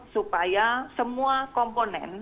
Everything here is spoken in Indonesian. supaya semua komponen